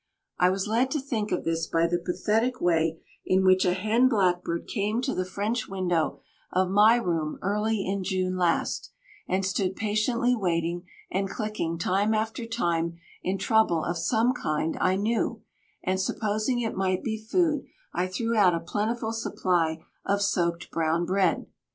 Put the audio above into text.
I was led to think of this by the pathetic way in which a hen blackbird came to the French window of my room early in June last and stood patiently waiting and clicking time after time in trouble of some kind I knew, and, supposing it might be food, I threw out a plentiful supply of soaked brown bread.